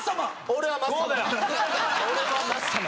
俺はマッサマン。